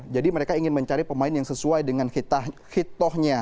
jadi mereka ingin mencari pemain yang sesuai dengan hitohnya